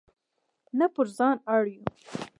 نه پر ځان اړ یو.